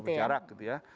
berjarak gitu ya